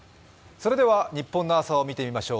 それでは日本の朝を見てみましょう。